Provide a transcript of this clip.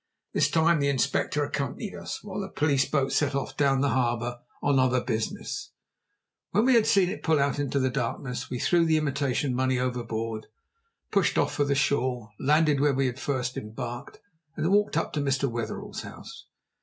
This time the Inspector accompanied us, while the police boat set off down the harbour on other business. When we had seen it pull out into the darkness, we threw the imitation money overboard, pushed off for the shore, landed where we had first embarked, and then walked up to Mr. Wetherell's house.